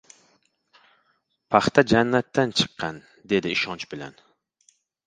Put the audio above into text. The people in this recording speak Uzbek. — Paxta jannatdan chiqqan, — dedi ishonch bilan.